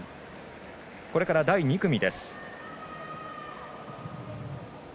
これから第２組です。